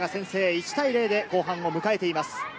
１対０で後半を迎えています。